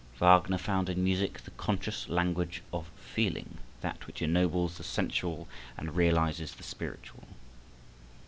Wagner found in music the conscious language of feeling, that which ennobles the sensual and realizes the spiritual.